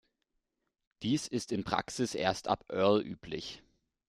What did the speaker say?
Dies ist in Praxis erst ab Earl üblich.